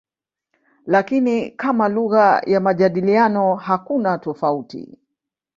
Lakini kama lugha ya majadiliano hakuna tofauti.